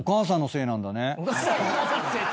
「お母さんのせい」って。